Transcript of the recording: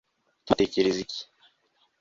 tom atekereza iki